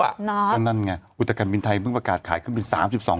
อันนั้นไงอุตกรณ์บินไทยเพิ่งประกาศขายคลึ่งบิน๓๒ล้าง